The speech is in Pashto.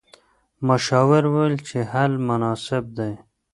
مشاور وویل چې حل مناسب دی.